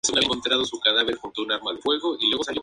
Pueden criar una o dos nidadas durante una estación de cría.